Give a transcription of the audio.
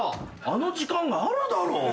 あの時間があるだろう。